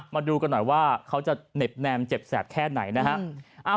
มาดูกันหน่อยว่าเขาจะเหน็บแนมเจ็บแสบแค่ไหนนะฮะ